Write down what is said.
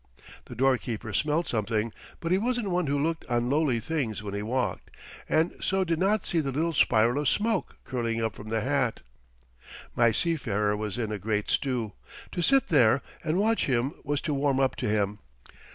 The doorkeeper smelled something, but he wasn't one who looked on lowly things when he walked, and so did not see the little spiral of smoke curling up from the hat. My seafarer was in a great stew. To sit there and watch him was to warm up to him.